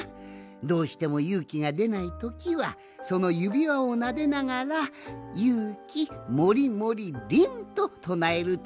どうしてもゆうきがでないときはそのゆびわをなでながら「ゆうきもりもりりん」ととなえるとちからがわいてくるぞい。